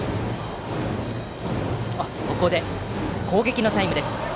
ここで攻撃のタイムです。